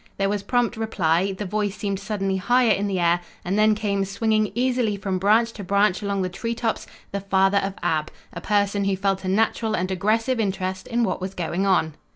There was prompt reply; the voice seemed suddenly higher in the air and then came, swinging easily from branch to branch along the treetops, the father of Ab, a person who felt a natural and aggressive interest in what was going on.